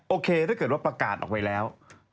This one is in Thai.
โอเคถ้าเกิดว่าประกาศออกไปแล้ว